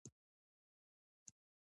ملي راډیو کله جوړه شوه؟